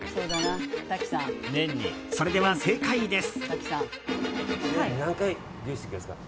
それでは正解です。